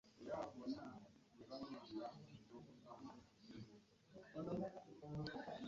Bisobola okulongoosa amazzi, okukuumira ettaka awamu, okugoba ebiyigganya ebirime n’endwadde.